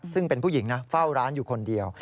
ซึ่งเป็นผู้หญิงนะเฝ้าร้านอยู่คนเดียว